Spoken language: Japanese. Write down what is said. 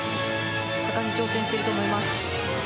果敢に挑戦していると思います。